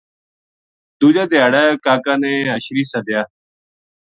دُوجے دھیاڑے کا کا نے حشری سدیا